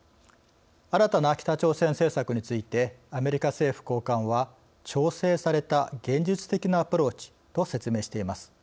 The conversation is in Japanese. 新たな北朝鮮政策についてアメリカ政府高官は調整された現実的なアプローチと説明しています。